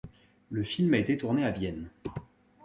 Le film a été tourné à Vienne.